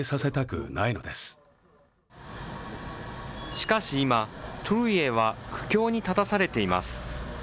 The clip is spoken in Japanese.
しかし今、兎児爺は苦境に立たされています。